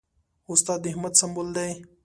استاد د همت سمبول دی.